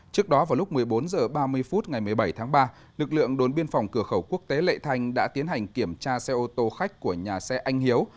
trước đó vào lúc một mươi bốn h ba mươi phút ngày một mươi bảy tháng ba lực lượng đốn biên phòng cửa khẩu quốc tế lệ thành đã tiến hành kiểm tra xe ô tô khách của nhà xe anh hiếu